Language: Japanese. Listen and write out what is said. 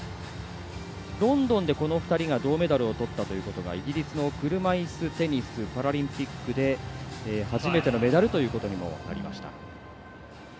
ロンドンでこの２人が銅メダルをとったということがイギリスの車いすテニスパラリンピックで初めてのメダルということにもなりました。